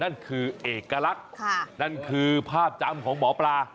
นั่นคือเอกลักษณ์นั่นคือภาพจำของหมอปลา